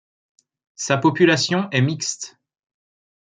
Sa population est mixte.